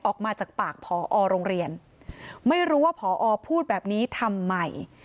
ออกมาจากปากผอโรงเรียนไม่รู้ว่าพอพูดแบบนี้ทำไม